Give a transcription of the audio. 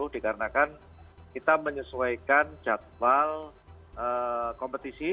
dikarenakan kita menyesuaikan jadwal kompetisi